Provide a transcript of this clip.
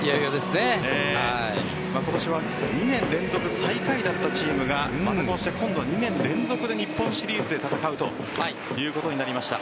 今年は２年連続最下位だったチームがまた今度は２年連続で日本シリーズで戦うということになりました。